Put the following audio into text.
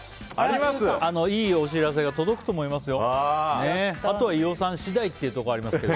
いいお知らせが届くと思いますよ。